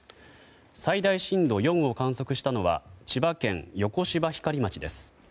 最大震度４を観測したのは千葉県横芝光町です。